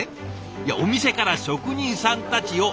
いやお店から職人さんたちを丸ごと。